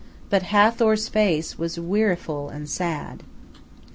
But Hathor's face was weariful and sad.